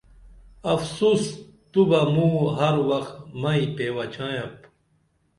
افسوس تو بہ موں ہر وخ مئی پیوہ چائپ